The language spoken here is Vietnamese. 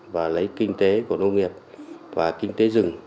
và lấy kinh tế của nông nghiệp và kinh tế rừng